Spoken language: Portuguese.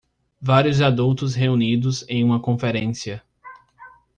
Vários adultos reunidos em uma conferência.